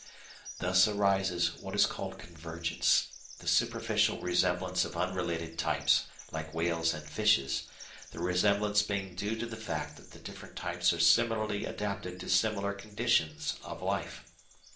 _ Thus arises what is called convergence, the superficial resemblance of unrelated types, like whales and fishes, the resemblance being due to the fact that the different types are similarly adapted to similar conditions of life.